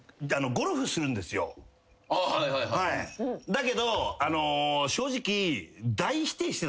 だけど正直。